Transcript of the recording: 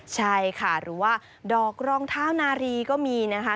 ใช่ค่ะหรือว่าดอกรองเท้านารีก็มีนะคะ